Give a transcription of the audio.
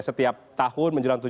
setiap tahun menjelaskan